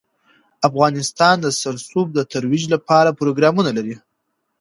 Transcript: افغانستان د رسوب د ترویج لپاره پروګرامونه لري.